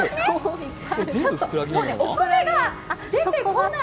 もうお米が出てこない。